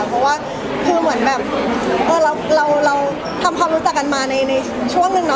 เพราะว่าคือเหมือนแบบเออเราเราเราทำความรู้จักกันมาในในช่วงหนึ่งเนอะ